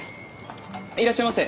いらっしゃいませ。